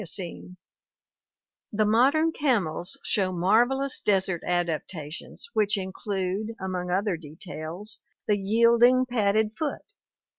420 ORGANIC EVOLUTION The modern camels show marvelous desert adaptations which include, among other details, the yielding padded foot.